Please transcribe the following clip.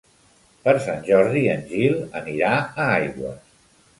Per Sant Jordi en Gil anirà a Aigües.